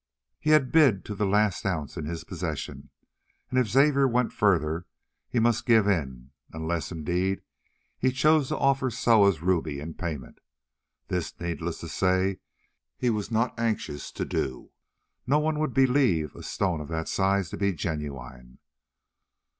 He had bid to the last ounce in his possession, and if Xavier went further he must give in, unless, indeed, he chose to offer Soa's ruby in payment. This, needless to say, he was not anxious to do; moreover, no one would believe a stone of that size to be genuine.